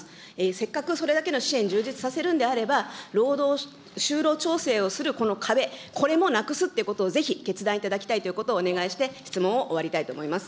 せっかくそれだけの支援、充実させるのであれば、労働、就労調整をするこの壁、これもなくすっていうことを、ぜひ決断いただきたいということをお願いして、質問を終わりたいと思います。